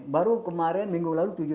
baru kemarin minggu lalu tujuh puluh tujuh